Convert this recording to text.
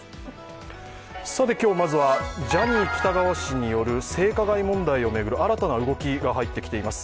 今日まずはジャニー喜多川氏による性加害問題の新たな動きが入ってきています。